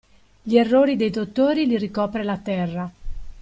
Gli errori dei dottori li ricopre la terra.